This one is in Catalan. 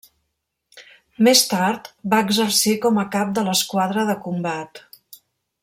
Més tard va exercir com a cap de l'esquadra de combat.